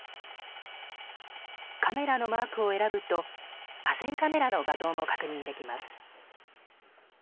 カメラのマークを選ぶと河川カメラの画像も確認できます。